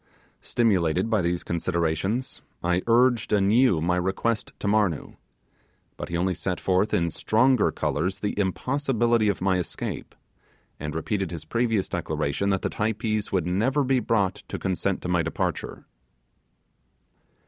Stimulated by these considerations, I urged anew my request to Marnoo; but he only set forth in stronger colours the impossibility of my escape, and repeated his previous declaration that the Typees would never be brought to consent to my departure.